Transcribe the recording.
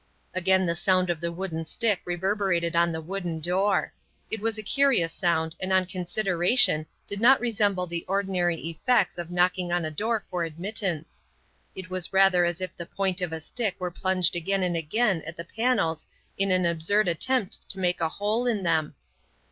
Again the sound of the wooden stick reverberated on the wooden door. It was a curious sound and on consideration did not resemble the ordinary effects of knocking on a door for admittance. It was rather as if the point of a stick were plunged again and again at the panels in an absurd attempt to make a hole in them.